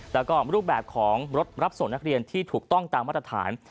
แล้วก็รูปแบบของรถรับส่งนักเรียนที่ถูกต้องตามมาตรฐาน